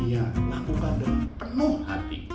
yang melakukan dengan penuh hati